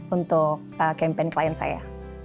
untuk campaign klien saya